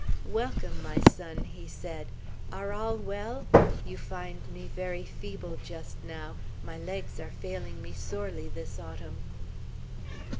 "Welcome, my son!" he said. "Are all well? You find me very feeble just now; my legs are failing me sorely this autumn."